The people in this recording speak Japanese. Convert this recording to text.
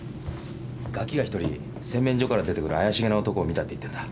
ガキがひとり「洗面所から出て来る怪しげな男を見た」って言ってるんだ。